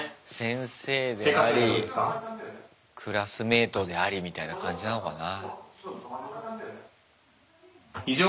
先生でありクラスメートでありみたいな感じなのかな。